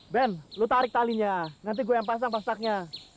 ben lu tarik talinya nanti gua yang pasang pasaknya